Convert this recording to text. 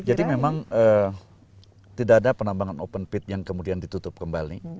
jadi memang tidak ada penambangan open pit yang kemudian ditutup kembali